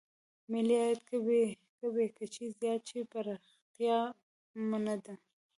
ملي عاید که بې کچې زیات شي پرمختیا نه ده.